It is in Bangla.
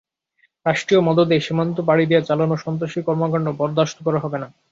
রাষ্ট্রীয় মদদে সীমান্ত পাড়ি দিয়ে চালানো সন্ত্রাসী কর্মকাণ্ড বরদাশত করা হবে না।